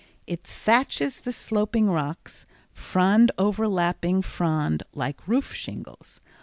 It thatches the sloping rocks, frond overlapping frond like roof shingles.